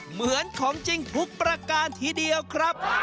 เหมือนของจริงทุกประการทีเดียวครับ